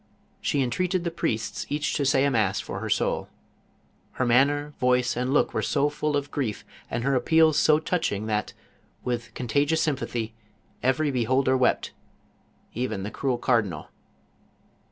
She entreated the priests each to say a mass for her soul. Her manner, voice, and look were so full of grief, and her appeals so touching that, with contagious sympathy, every beholder wept — even the cruel cardinal.